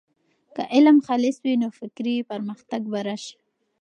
که علم خالص وي، نو فکري پرمختګ به راسي.